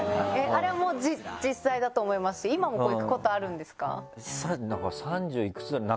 あれも実際だと思いますし今も行くことあるんですか？